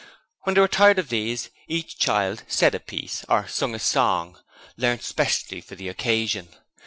And when they were tired of these, each child 'said a piece' or sung a song, learnt specially for the occasion.